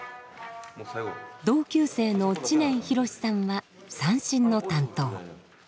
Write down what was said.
同級生の知念浩司さんは三線の担当。